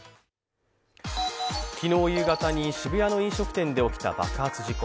昨日夕方に渋谷の飲食店で起きた爆発事故。